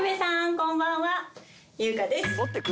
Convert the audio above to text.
こんばんは優香です。